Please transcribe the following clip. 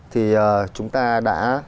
thì chúng ta đã